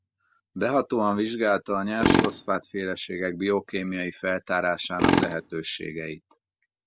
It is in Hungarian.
Behatóan vizsgálta a nyersfoszfát-féleségek biokémiai feltárásának lehetőségeit.